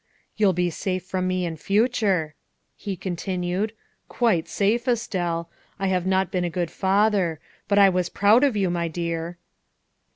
" You'll be safe from me in future," he continued, " quite safe, Estelle. I have not been a good father. But I was proud of you, my dear."